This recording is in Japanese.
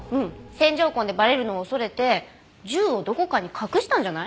線条痕でバレるのを恐れて銃をどこかに隠したんじゃない？